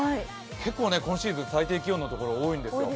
結構今シーズン最低気温の所が多いんですよ。